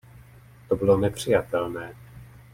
To bylo nepřijatelné.